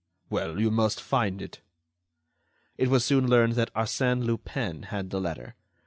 "Well, you must find it." It was soon learned that Arsène Lupin had the letter.